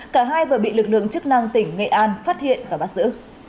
cả hai vừa bị lực lượng chức năng tỉnh nghệ an phát hiện và bắt giữ